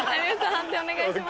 判定お願いします。